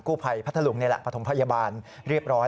ผู้ภัยพัทธลุงนี่แหละปฐมพยาบาลเรียบร้อย